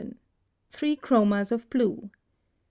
THREE CHROMAS of BLUE.